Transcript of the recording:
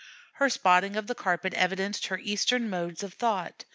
Her spotting of the carpet evidenced her Eastern modes of thought.